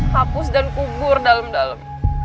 hapus dan kubur dalam dalam